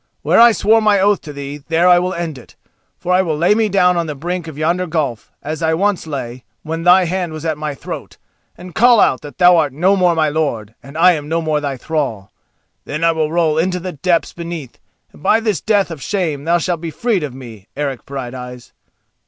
Where I swore my oath to thee, there I will end it. For I will lay me down on the brink of yonder gulf, as once I lay when thy hand was at my throat, and call out that thou art no more my lord and I am no more thy thrall. Then I will roll into the depths beneath, and by this death of shame thou shalt be freed of me, Eric Brighteyes."